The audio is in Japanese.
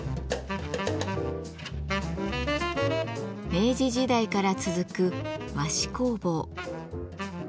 明治時代から続く和紙工房。